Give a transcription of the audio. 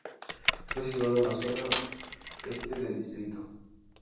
Está situado en la zona este del distrito.